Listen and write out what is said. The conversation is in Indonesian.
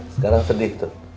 sekarang sedih tuh